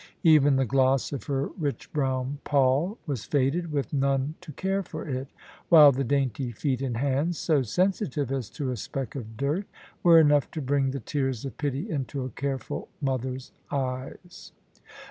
Even the gloss of her rich brown poll was faded, with none to care for it; while the dainty feet and hands, so sensitive as to a speck of dirt, were enough to bring the tears of pity into a careful mother's eyes.